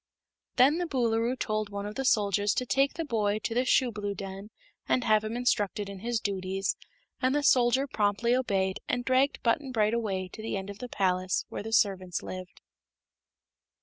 Then the Boolooroo told one of the soldiers to take the boy to the shoeblue den and have him instructed in his duties, and the soldier promptly obeyed and dragged Button Bright away to the end of the palace where the servants lived.